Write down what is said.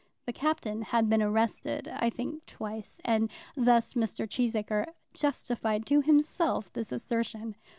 The Captain had been arrested, I think twice, and thus Mr. Cheesacre justified to himself this assertion.